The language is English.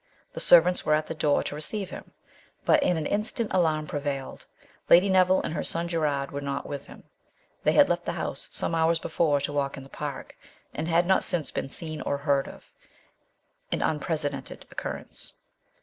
The servants were at the door to receive him, but in an instant alarm prevailed ; Lady Neville and her son Gerard were not with him. They had left the house some hours before to walk in the park, and had not since been seen or heard of, an unprecedented occurrence.